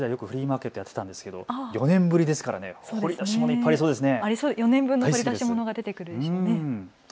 学生時代よくフリーマーケットをやっていたんですけど４年ぶりですからね、掘り出し物いっぱいありそうですね。